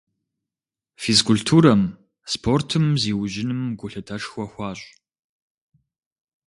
Физкультурэм, спортым зиужьыным гулъытэшхуэ хуащӀ.